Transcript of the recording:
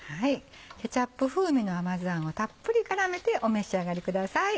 ケチャップ風味の甘酢あんをたっぷり絡めてお召し上がりください。